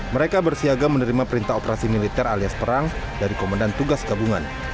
mereka bersiaga menerima perintah operasi militer alias perang dari komandan tugas gabungan